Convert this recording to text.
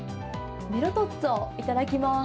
メロトッツォ、いただきます。